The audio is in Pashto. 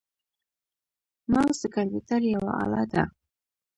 موس د کمپیوټر یوه اله ده.